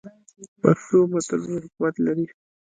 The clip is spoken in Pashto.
پښتو متلونه حکمت لري